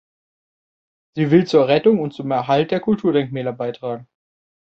Sie will zur Rettung und zum Erhalt der Kulturdenkmäler beitragen.